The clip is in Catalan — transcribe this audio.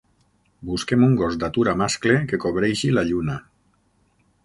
Busquem un gos d'atura mascle que cobreixi la Lluna.